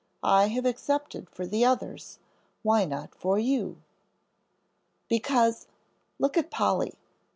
I have accepted for the others; why not for you?" "Because, look at Polly.